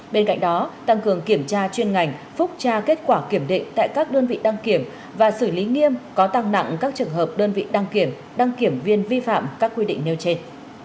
bên cạnh đó tăng cường kiểm tra chuyên ngành phúc tra kết quả kiểm định tại các đơn vị đăng kiểm và xử lý nghiêm có tăng nặng các trường hợp đơn vị đăng kiểm đăng kiểm viên vi phạm các quy định nêu trên